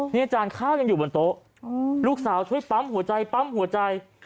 นี่อาจารย์ข้าวยังอยู่บนโต๊ะลูกสาวช่วยปั๊มหัวใจปั๊มหัวใจ